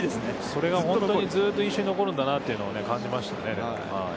それが本当にずっと印象に残るんだなと、感じましたね。